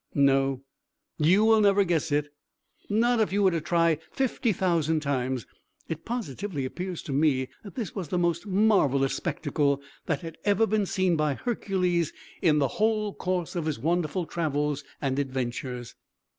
No; you will never guess it, not if you were to try fifty thousand times! It positively appears to me that this was the most marvellous spectacle that had ever been seen by Hercules in the whole course of his wonderful travels and adventures.